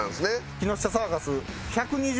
木下サーカス。